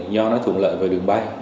do nó thuận lợi về đường bay